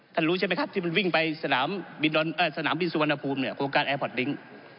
ท่านรู้ใช่มั้ยครับที่มันวิ่งไปสนามบินสุวรรณภูมิโครงการแอร์พอร์ตลิ้ง